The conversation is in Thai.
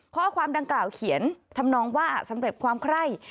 ข้อความดังกล่าวเขียนทำนองว่าสำเร็จความไคร่